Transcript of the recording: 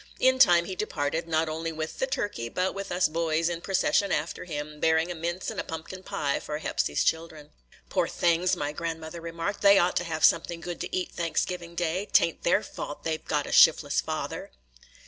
In time he departed, not only with the turkey, but with us boys in procession after him, bearing a mince and a pumpkin pie for Hepsy's children. "Poor things!" my grandmother remarked; "they ought to have something good to eat Thanksgiving day; 't ain't their fault that they 've got a shiftless father."